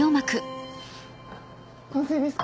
完成ですか？